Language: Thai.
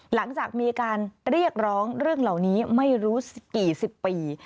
หลังจากมีการเรียกร้องเรื่องเหล่านี้ไม่รู้กี่สิบปี